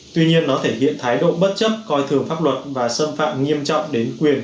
tuy nhiên nó thể hiện thái độ bất chấp coi thường pháp luật và xâm phạm nghiêm trọng đến quyền